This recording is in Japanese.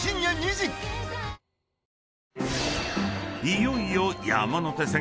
［いよいよ］